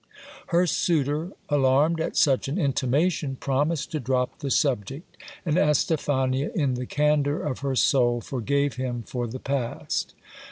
Her suitor, alarmed at such an intimation, promised to drop the subject ; and Estephania in the candour of her soul forgave him for the past.